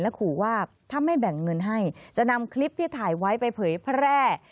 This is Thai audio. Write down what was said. ขู่ว่าถ้าไม่แบ่งเงินให้จะนำคลิปที่ถ่ายไว้ไปเผยแพร่